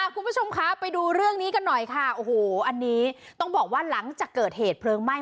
คุณผู้ชมไปดูเรื่องนี้กันหน่อยต้องบอกว่าหลังจากเกิดเหตุเพลิงไหม้